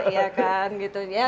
iya kan gitu